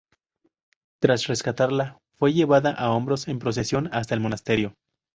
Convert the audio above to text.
Tras rescatarla, fue llevada a hombros en procesión hasta el Monasterio.